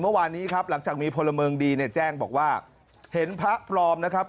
เมื่อวานนี้ครับหลังจากมีพลเมืองดีเนี่ยแจ้งบอกว่าเห็นพระปลอมนะครับ